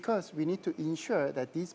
karena kita harus memastikan